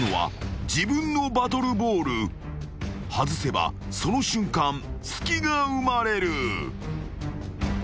［外せばその瞬間隙が生まれる］